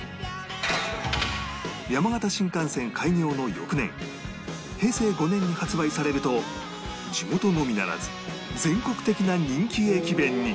山形新幹線開業の翌年平成５年に発売されると地元のみならず全国的な人気駅弁に